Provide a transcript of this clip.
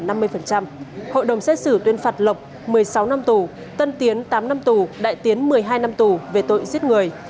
hội đồng xét xử tuyên phạt lộc một mươi sáu năm tù tân tiến tám năm tù đại tiến một mươi hai năm tù về tội giết người